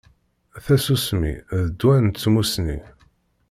Tasusmi d ddwa n tmussni